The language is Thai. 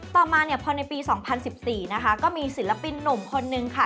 ต่อมาพอในปี๒๐๑๔ก็มีศิลปินหนุ่มคนหนึ่งค่ะ